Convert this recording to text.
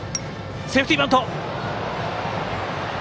セーフティーバント。